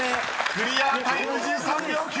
［クリアタイム１３秒９！］